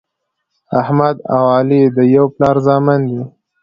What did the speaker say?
احمد او علي د یوه پلار زامن دي.